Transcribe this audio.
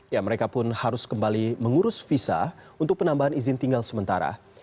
ya mereka pun harus kembali mengurus visa untuk penambahan izin tinggal sementara